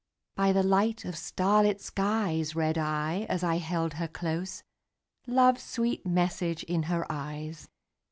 By the light of starlit skies Read I, as I held her close, Love's sweet message in her eyes.